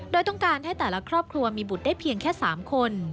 โดยต้องการให้แต่ละครอบครัวมีบุตรได้เพียงแค่๓คน